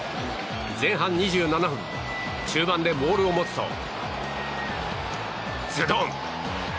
前半２７分中盤でボールを持つと、ズドン！